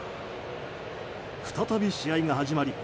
再び試合が始まり